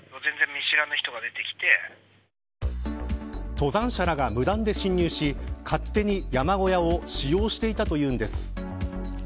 登山者らが無断で侵入し勝手に山小屋を使用していたというのです。